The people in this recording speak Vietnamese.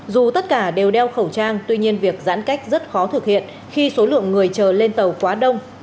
dù tất cả đều đeo khẩu trang tuy nhiên việc giãn cách rất khó thực hiện khi số lượng người chờ lên tàu quá đông